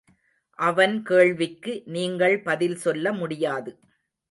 அவன் கேள்விக்கு நீங்கள் பதில் சொல்ல முடியாது.